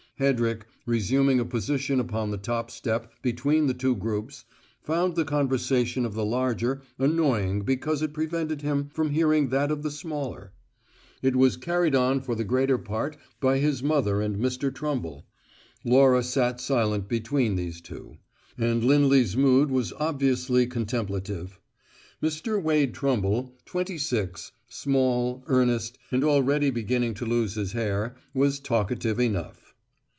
Hedrick, resuming a position upon the top step between the two groups, found the conversation of the larger annoying because it prevented him from hearing that of the smaller. It was carried on for the greater part by his mother and Mr. Trumble; Laura sat silent between these two; and Lindley's mood was obviously contemplative. Mr. Wade Trumble, twenty six, small, earnest, and already beginning to lose his hair, was talkative enough.